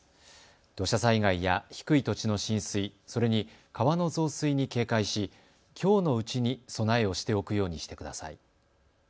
土砂災害や低い土地の浸水、それに川の増水に警戒しきょうのうちに備えをしておくようにしてください。